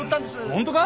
本当か？